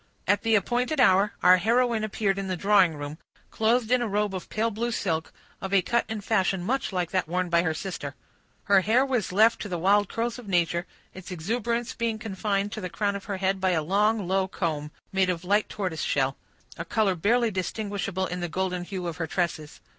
At the appointed hour, our heroine appeared in the drawing room, clothed in a robe of pale blue silk, of a cut and fashion much like that worn by her sister. Her hair was left to the wild curls of nature, its exuberance being confined to the crown of her head by a long, low comb, made of light tortoise shell; a color barely distinguishable in the golden hue of her tresses.